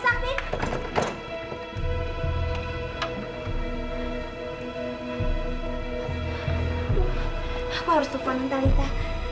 aduh lontar lita